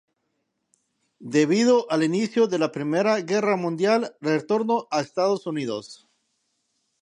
Debido al inicio de la primera guerra mundial, retorna a Estados Unidos.